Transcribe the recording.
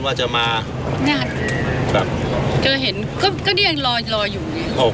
ว่าจะมานะฮะครับเจอเห็นก็เดี๋ยวยังรอรออยู่